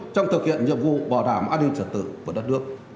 trong thực hiện nhiệm vụ bảo đảm an ninh trật tự của đất nước